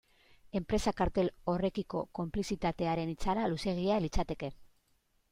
Enpresa kartel horrekiko konplizitatearen itzala luzeegia litzateke.